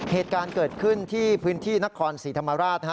เหตุการณ์เกิดขึ้นที่พื้นที่นครศรีธรรมราช